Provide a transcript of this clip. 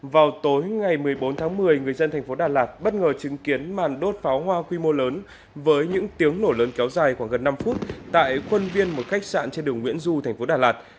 vào tối ngày một mươi bốn tháng một mươi người dân thành phố đà lạt bất ngờ chứng kiến màn đốt pháo hoa quy mô lớn với những tiếng nổ lớn kéo dài khoảng gần năm phút tại khuôn viên một khách sạn trên đường nguyễn du thành phố đà lạt